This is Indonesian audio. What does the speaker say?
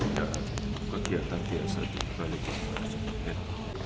ada kegiatan biasa di balik ke masjid